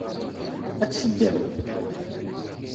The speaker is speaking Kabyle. Ad t-teddem?